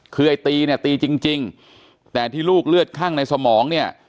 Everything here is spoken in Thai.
คือไอ้ตีเนี่ยตีจริงจริงแต่ที่ลูกเลือดคลั่งในสมองเนี่ย